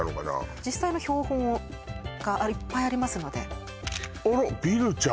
実際の標本がいっぱいありますのであらビルちゃん